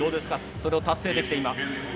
それを達成できて、今。